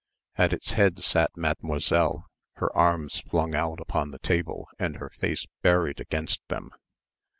At its head sat Mademoiselle, her arms flung out upon the table and her face buried against them.